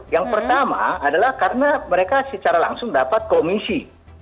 yang pertama adalah karena mereka secara langsung dapat komisi